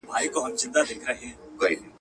زه کولای سم زدکړه وکړم!.